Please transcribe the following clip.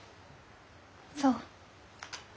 そう。